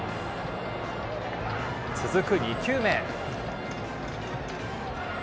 続く２球目。